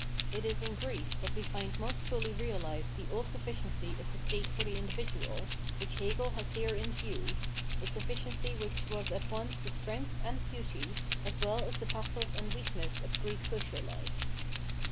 It is in Greece that we find most fully realised the all sufficiency of the state for the individual, which Hegel has here in view, a sufiiciency which was at once the strength and beauty, as well as the pathos and weakness of Greek social life.